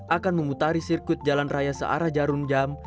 akan memutari sirkuit jalan raya searah jarum jam